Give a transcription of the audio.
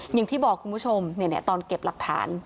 อย่างที่บอกคุณผู้ชมตอนเก็บหลักฐาน